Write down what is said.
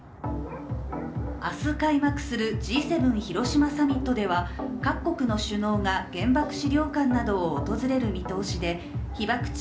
明日開幕するＧ７広島サミットでは各国の首脳が原爆資料館などを訪れる見通しで被爆地